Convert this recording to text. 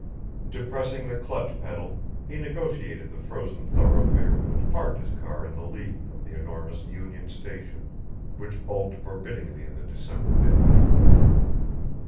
Depressing the clutch pedal, he negotiated the frozen thoroughfare and parked his car in the lee of the enormous Union Station, which bulked forbiddingly in the December midnight.